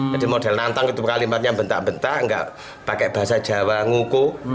jadi model nantang itu kalimatnya bentak bentak enggak pakai bahasa jawa nguku